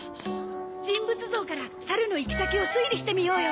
人物像から猿の行き先を推理してみようよ。